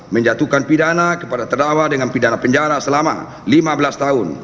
menjatuhkan pidana kepada terdakwa dengan pidana penjara selama lima belas tahun